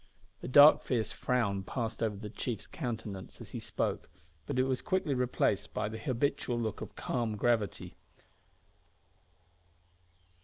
A dark fierce frown passed over the chief's countenance as he spoke, but it was quickly replaced by the habitual look of calm gravity.